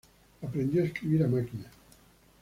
Aprendió a escribir a máquina.